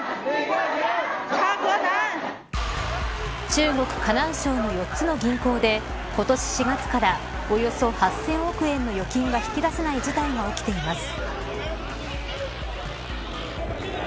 中国、河南省の４つの銀行で今年４月からおよそ８０００億円の預金が引き出せない事態が起きています。